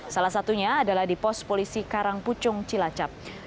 salah satunya adalah di pos polisi karangpucung cilacap